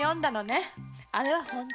あれは本当よ。